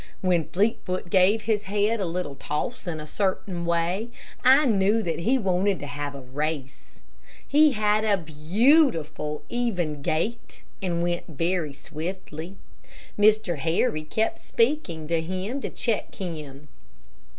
When Fleetfoot gave his head a little toss in a certain way, I knew that he wanted to have a race. He had a beautiful even gait, and went very swiftly. Mr. Harry kept speaking to him to check him.